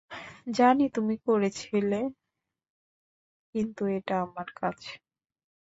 জানি তুমি করেছিল কিন্তু এটা আমার কাজ।